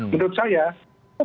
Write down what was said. menurut saya satu menggunakan